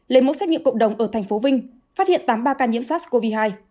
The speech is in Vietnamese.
lấy mẫu xét nghiệm cộng đồng ở thành phố vinh phát hiện tám mươi ba ca nhiễm sars cov hai